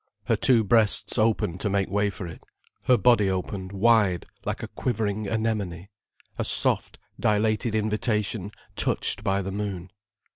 Her two breasts opened to make way for it, her body opened wide like a quivering anemone, a soft, dilated invitation touched by the moon.